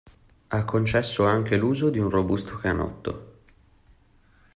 Ha concesso anche l'uso di un robusto canotto.